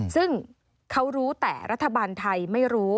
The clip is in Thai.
ซึ่งเขารู้แต่รัฐบาลไทยไม่รู้